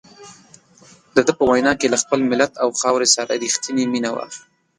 دده په وینا کې له خپل ملت او خاورې سره رښتیني مینه وه.